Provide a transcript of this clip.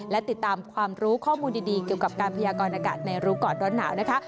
และติดตามความรู้ข้อมูลดีเกี่ยวกับการพยากรณากาศในรู้ก่อนร้อนหนาวนะคะ